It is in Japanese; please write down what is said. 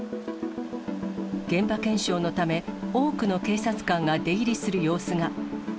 現場検証のため、多くの警察官が出入りする様子が。